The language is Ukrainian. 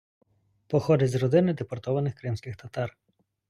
Походить з родини депортованих кримських татар.